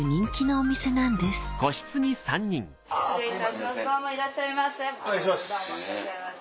お願いします。